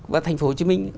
với thành phố hồ chí minh